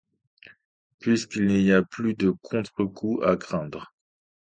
Puisqu’il n’y a plus de contrecoup à craindre!